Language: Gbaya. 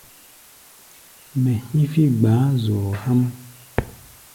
Mɛ hí̧fí̧ gbáá zoro há̧ʼm.